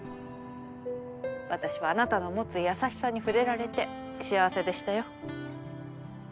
私はあなたの持つ優しさに触れられて幸せでしたよ。